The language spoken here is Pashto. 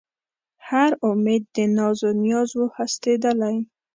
هر اُمید د ناز و نیاز و هستېدلی